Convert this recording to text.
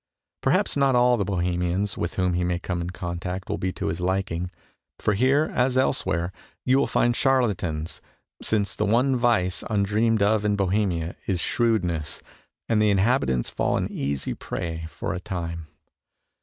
Perhaps not all the Bohemians with whom he may come in contact will be to his liking. For here, as elsewhere, you will find char latans, since the one vice undreamed of in Bohemia is shrewdness, and the inhabitants fall an easy prey for a time.